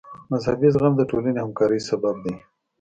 مذهبي زغم د ټولنې همکارۍ سبب دی.